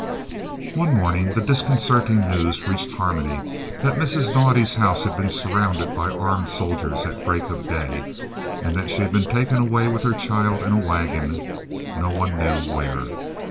One morning the disconcerting news reached Harmony that Mrs. Naudé's house had been surrounded by armed soldiers at break of day and that she had been taken away with her child, in a waggon, no one knew where.